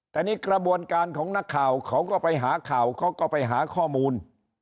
แต่นี่กระบวนการของนักข่าวเขาก็ไปหาข่าวเขาก็ไปหาข้อมูล